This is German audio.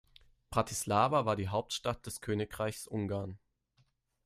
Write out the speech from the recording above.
Bratislava war die Hauptstadt des Königreichs Ungarn.